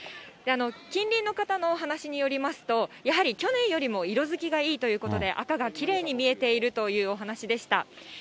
近隣の方のお話しによりますと、やはり去年よりも色づきがいいということで、赤がきれいに見えているというお話でした。